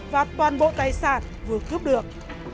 và toàn bộ tài sản vừa cướp được